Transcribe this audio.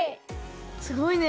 すごいね。